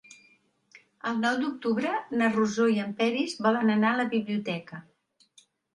El nou d'octubre na Rosó i en Peris volen anar a la biblioteca.